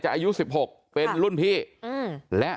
กลับไปลองกลับ